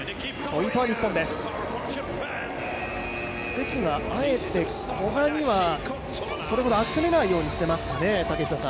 関があえて、古賀にはそれほど集めないようにしてますかね。